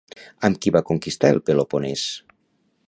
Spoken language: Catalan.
Amb qui va conquistar el Peloponès?